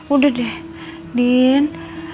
udah deh din